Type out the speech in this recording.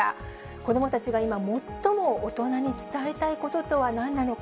子どもたちが今、最も大人に伝えたいこととはなんなのか。